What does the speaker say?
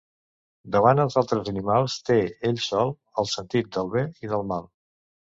Davant els altres animals, té, ell sol, el sentit del bé i del mal.